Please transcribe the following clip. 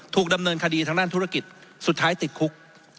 ดำเนินคดีทางด้านธุรกิจสุดท้ายติดคุก